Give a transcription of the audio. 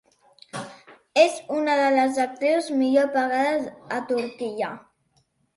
És una de les actrius millor pagades a Turquia.